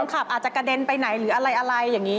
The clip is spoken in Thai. ขับอาจจะกระเด็นไปไหนหรืออะไรอย่างนี้